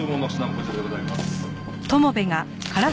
こちらでございます。